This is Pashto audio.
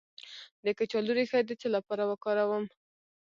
د کچالو ریښه د څه لپاره وکاروم؟